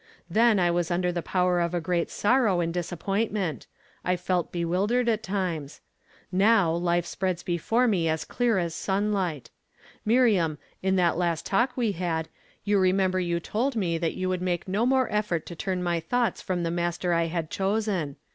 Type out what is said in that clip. " Then I was under the power of a great sorrow and disappointment ; I felt bewildered at times. Now life spreads before me as clear as sunlight. Miriam, in that last talk we had, you remember you told me that you would make no more effort to turn my thoughts from the Master I had chosen.